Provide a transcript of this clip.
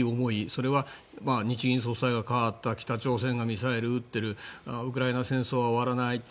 それは日銀総裁が代わった北朝鮮がミサイルを撃っているウクライナ戦争は終わらない。